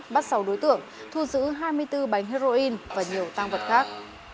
bắt sáu đối tượng thu giữ hai mươi bốn bánh heroin và nhiều tăng vật khác